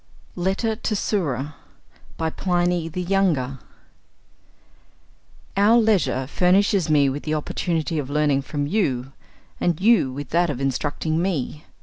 IX LETTER TO SURA PLINY, THE YOUNGER Our leisure furnishes me with the opportunity of learning from you, and you with that of instructing me.